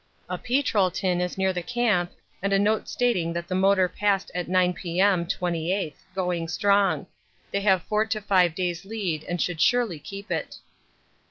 A petrol tin is near the camp and a note stating that the motor passed at 9 P.M. 28th, going strong they have 4 to 5 days' lead and should surely keep it.